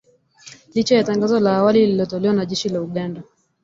Licha ya tangazo la awali lililotolewa na jeshi la Uganda